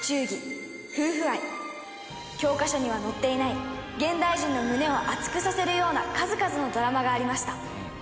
教科書には載っていない現代人の胸を熱くさせるような数々のドラマがありました。